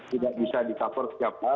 tidak bisa di cover setiap hal